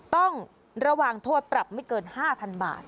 ต้องระวังโทษปรับไม่เกิน๕๐๐๐บาท